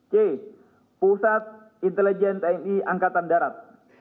c pusat intelijen tni angkatan darat